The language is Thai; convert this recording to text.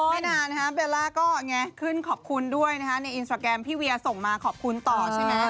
ไม่นานเบลล่าก็ไงขึ้นขอบคุณด้วยนะคะในอินสตราแกรมพี่เวียส่งมาขอบคุณต่อใช่ไหม